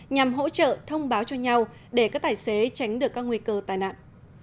nhằm hỗ trợ thông báo cho nhau để các tài xế tránh được các nguy cơ tai nạn